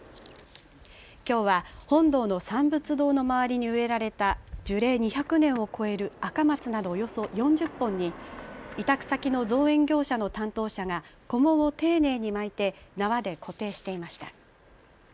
きょうは本堂の三仏堂の周りに植えられた樹齢２００年を超えるアカマツなどおよそ４０本に委託先の造園業者の担当者がこもを丁寧に巻いて縄で固定していました。